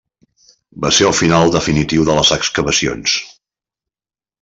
Va ser el final definitiu de les excavacions.